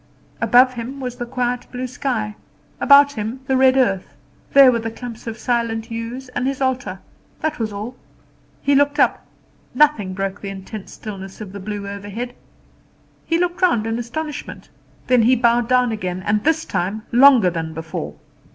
Above him was the quiet blue sky, about him the red earth; there were the clumps of silent ewes and his altar that was all. He looked up nothing broke the intense stillness of the blue overhead. He looked round in astonishment, then he bowed again, and this time longer than before.